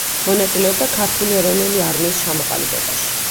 მონაწილეობდა ქართული ეროვნული არმიის ჩამოყალიბებაში.